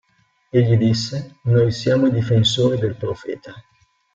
Egli disse: "Noi siamo i difensori del Profeta".